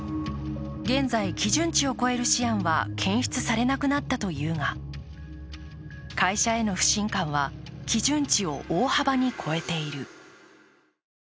現在、基準値を超えるシアンは検出されなくなったというが、会社への不信感は基準値を大幅に超えている。